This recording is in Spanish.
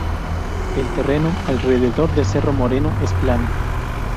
El terreno alrededor de Cerro Moreno es plano.